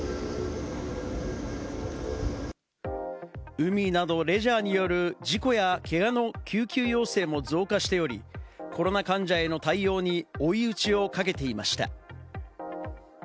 海などレジャーによる事故やけがの救急要請も増加しており、コロナ患者への対応に追い打ちをかけていました。